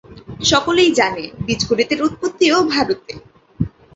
সকলেই জানে বীজগণিতের উৎপত্তিও ভারতে।